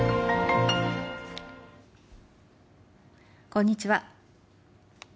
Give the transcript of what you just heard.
こんにちは。